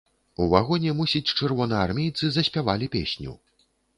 У вагоне, мусіць, чырвонаармейцы заспявалі песню.